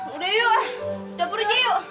udah yuk dapurnya yuk